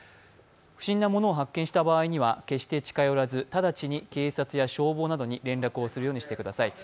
不審なものを発見した場合には決して近寄らず直ちに警察や消防などに連絡をするようにしてください。